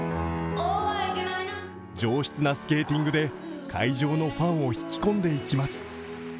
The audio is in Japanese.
上質なスケーティングで会場のファンを引き込んでいきます。